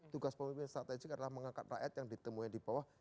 tugas pemimpin strategik adalah mengangkat rakyat yang ditemui di bawah